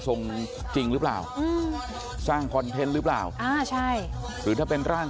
จริงหรือเปล่าอืมสร้างคอนเทนต์หรือเปล่าอ่าใช่หรือถ้าเป็นร่าง